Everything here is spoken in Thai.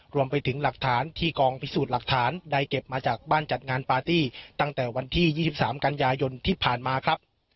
รวมไปถึงหลักฐานที่กองพิสูจน์หลักฐานได้เก็บมาจากบ้านจัดงานปาร์ตี้ตั้งแต่วันที่๒๓กันยายนที่ผ่านมาครับ